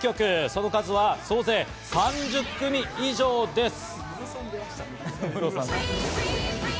その数は総勢３０組以上です。